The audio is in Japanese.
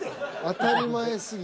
当たり前すぎて。